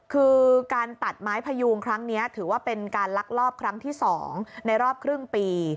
คือการตัดไม้พยูงครั้งนี้ถือว่าเป็นการลักลอบครั้งที่๒ในรอบครึ่งปี